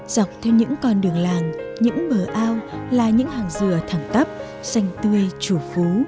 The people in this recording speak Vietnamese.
dọc theo những con đường làng những bờ ao là những hàng dừa thẳng tắp xanh tươi chủ phú